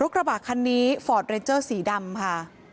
กระบะคันนี้ฟอร์ดเรเจอร์สีดำค่ะ